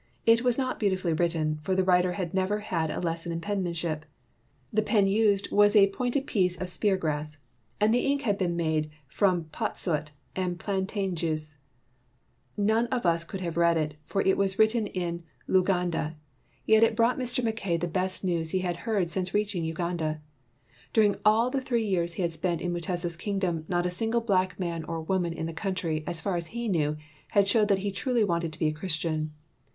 It was not beautifully written, for the writer had never had a lesson in penmanship. The pen used was a pointed piece of spear grass and the ink had been made from pot soot and plan tain juice. None of us could have read it, for it was written in Luganda, yet it 154 TEACHING MAKES NEW MEN brought Mr. Mackay the best news he had heard since reaching Uganda. During all the three years he had spent in Mutesa's kingdom, not a single black man or woman in the country, as far as he knew, had showed that he truly wanted to be a Chris tian.